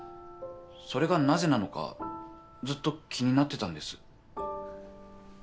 それがなぜなのかずっと気になってたんです。